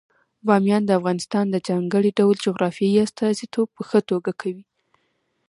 بامیان د افغانستان د ځانګړي ډول جغرافیې استازیتوب په ښه توګه کوي.